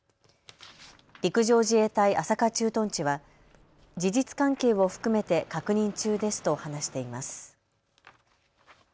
陸上自衛隊朝霞駐屯地は事実関係を含めて確認中ですと話しています。